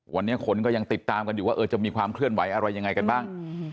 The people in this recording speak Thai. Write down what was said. วันนี้คนก็ยังติดตามกันอยู่ว่าจะมีความเคลื่อนไหวอะไรยังไงกันบ้าง